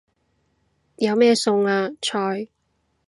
有咩餸啊？菜